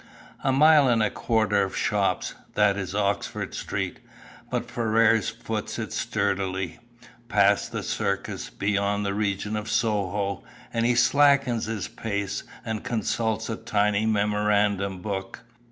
A mile and a quarter of shops, that is Oxford Street, but Ferrars foots it sturdily. Past the Circus, beyond the region of Soho, and he slackens his pace and consults a tiny memorandum book.